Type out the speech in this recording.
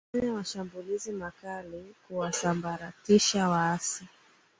kufanya mashambulizi makali kuwasambaratisha waasi